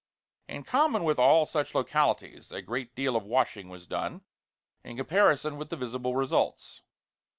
In common with all such localities, a great deal of washing was done, in comparison with the visible results.